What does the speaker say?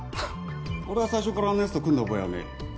俺は最初からあんな奴と組んだ覚えはねえ。